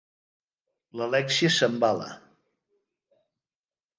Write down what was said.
L'Alèxia s'embala.